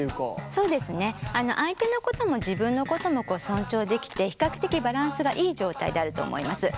相手のことも自分のことも尊重できて比較的バランスがいい状態であると思います。